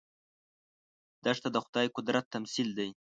دښته د خدايي قدرت تمثیل دی.